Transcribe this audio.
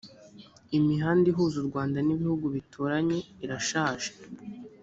imihanda ihuza u rwanda n’ibihugu bituranye irashaje